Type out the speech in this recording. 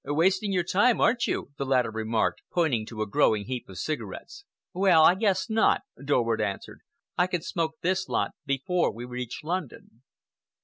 "Wasting your time, aren't you?" the latter remarked, pointing to the growing heap of cigarettes. "Well, I guess not," Dorward answered. "I can smoke this lot before we reach London."